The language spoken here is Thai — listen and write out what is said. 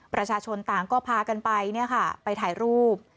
ประชาชนต่างก็พากันไปเนี่ยค่ะไปถ่ายรูป